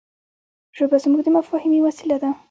ژبه زموږ د مفاهيمي وسیله ده.